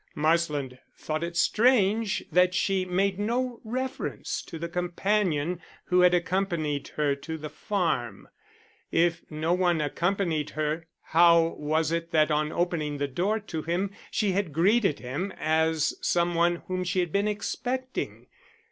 Marsland thought it strange that she made no reference to the companion who had accompanied her to the farm. If no one accompanied her, how was it that on opening the door to him she had greeted him as some one whom she had been expecting?